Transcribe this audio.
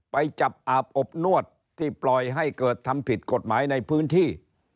ไปจับอาบอบนวดที่ปล่อยให้เกิดทำผิดกฎหมายในพื้นที่